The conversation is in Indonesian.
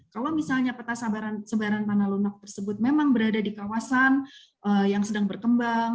kalau misalnya peta sebaran tanah lunak tersebut memang berada di kawasan yang sedang berkembang